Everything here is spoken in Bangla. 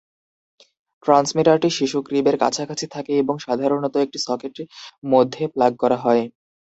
ট্রান্সমিটারটি শিশু ক্রিবের কাছাকাছি থাকে এবং সাধারণত একটি সকেট মধ্যে প্লাগ করা হয়।